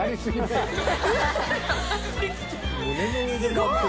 すごい！）